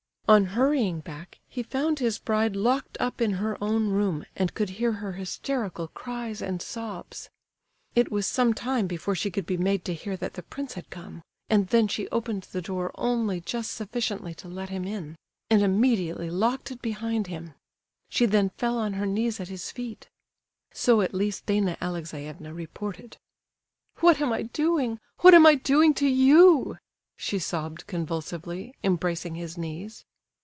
On hurrying back he found his bride locked up in her own room and could hear her hysterical cries and sobs. It was some time before she could be made to hear that the prince had come, and then she opened the door only just sufficiently to let him in, and immediately locked it behind him. She then fell on her knees at his feet. (So at least Dana Alexeyevna reported.) "What am I doing? What am I doing to you?" she sobbed convulsively, embracing his knees.